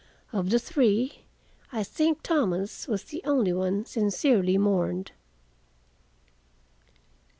Of the three, I think Thomas was the only one sincerely mourned.